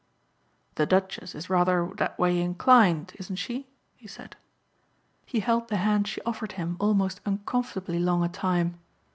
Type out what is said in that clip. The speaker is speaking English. "The Duchess is rather that way inclined, isn't she?" he said. He held the hand she offered him almost uncomfortably long a time.